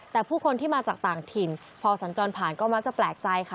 แต่ผู้คนที่มาจากต่างถิ่นพอสัญจรผ่านก็มักจะแปลกใจค่ะ